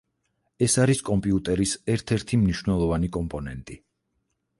ეს არის კომპიუტერის ერთ-ერთი მნიშვნელოვანი კომპონენტი.